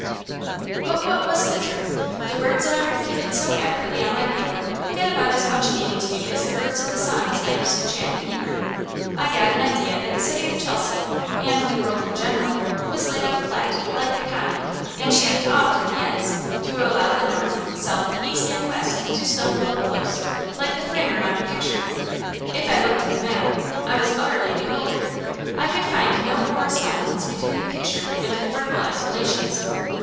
But what was the truth? The words that I repeated so accurately on my paper had about as much meaning to me as the words of the Psalms I used to chant in Hebrew. I got an idea that the city of Chelsea, and the world in general, was laid out flat, like the common, and shaved off at the ends, to allow the north, south, east, and west to snuggle up close, like the frame around a picture. If I looked at the map, I was utterly bewildered; I could find no correspondence between the picture and the verbal explanations.